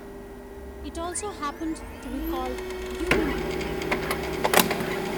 It also happened to be called "ubina".